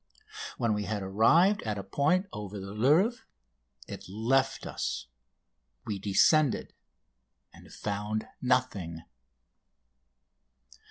When we had arrived at a point over the Louvre ... it left us! We descended ... and found nothing!